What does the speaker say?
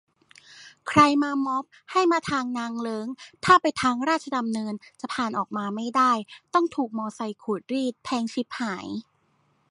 "ใครมาม็อบให้มาทางนางเลิ้ง ถ้าไปทางราชดำเนินจะผ่านออกมาไม่ได้ ต้องถูกมอไซต์ขูดรีด แพงฉิบหาย"